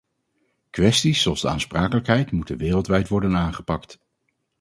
Kwesties zoals de aansprakelijkheid moeten wereldwijd worden aangepakt.